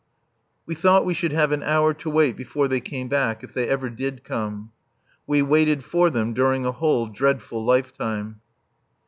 We thought we should have an hour to wait before they came back, if they ever did come. We waited for them during a whole dreadful lifetime.